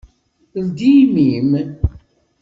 Ldi imi-m!